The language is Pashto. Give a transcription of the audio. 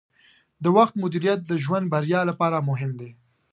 د وخت مدیریت د ژوند بریا لپاره مهم دی.